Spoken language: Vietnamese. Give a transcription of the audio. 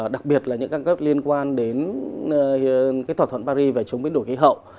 đặc biệt là những cam kết liên quan đến thỏa thuận paris về chống biến đổi khí hậu